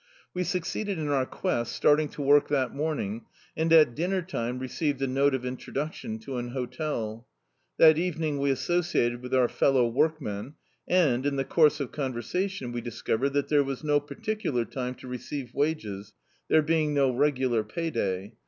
We succeeded in our quest, starting to work that morning, and at dirmer time received a note of introducti(Hi to an hotel. That evening we associated with our fel low workmen, and, in the course of conversation, we discovered that there was no particular time to re ceive wages, there being no regular pay day.